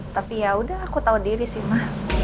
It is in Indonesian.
tapi yaudah aku tahu diri sih mah